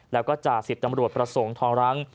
แล้วก็จ่าสิบตำรวจประสงค์ทองรั้ง